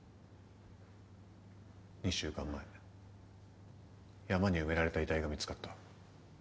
２週間前山に埋められた遺体が見つかった。